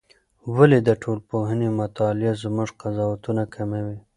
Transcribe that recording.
ولې د ټولنپوهنې مطالعه زموږ قضاوتونه کموي؟